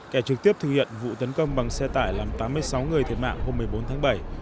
kẻ trực tiếp thực hiện vụ tấn công bằng xe tải làm tám mươi sáu người thiệt mạng hôm một mươi bốn tháng bảy